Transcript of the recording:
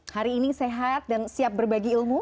hari ini sehat dan siap berbagi ilmu